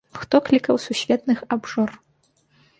Хто клікаў сусветных абжор!